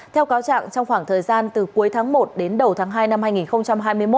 theo cáo trạng trong khoảng thời gian từ cuối tháng một đến đầu tháng hai năm hai nghìn hai mươi một